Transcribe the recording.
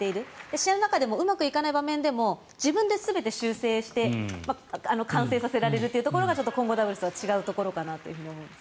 試合の中でもうまくいかない場面でも自分で全て修正して完成させられるというところがちょっと混合ダブルスとは違うところかなと思います。